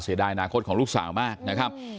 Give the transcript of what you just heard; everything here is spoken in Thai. เศรษฐานาคตของลูกสาวมากนะครับ